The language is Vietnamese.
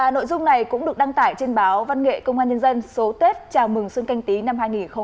nội dung này cũng được đăng tải trên báo văn nghệ công an nhân dân số tết chào mừng xuân canh tí năm hai nghìn hai mươi